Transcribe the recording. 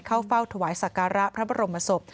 เข้าเฝ้าถวายสักการะพระบรมศพ